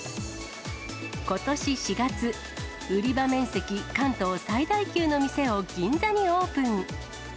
ことし４月、売り場面積関東最大級の店を銀座にオープン。